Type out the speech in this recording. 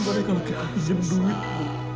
mereka lagi habis jem duit